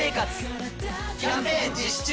キャンペーン実施中！